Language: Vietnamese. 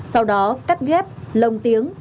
sau đó cắt ghép lồng tiếng